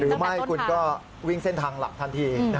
หรือไม่คุณก็วิ่งเส้นทางหลักทันที